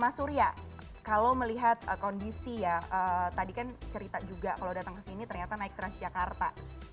mas surya kalau melihat kondisi ya tadi kan cerita juga kalau datang ke sini ternyata naik transjakarta